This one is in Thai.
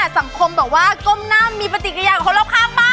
สังคมแบบว่าก้มหน้ามีปฏิกิจกระยะของคนละคร่างบ้าง